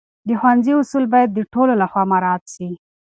د ښوونځي اصول باید د ټولو لخوا مراعت سي.